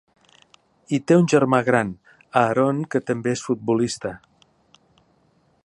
I té un germà gran, Aaron, que també és futbolista.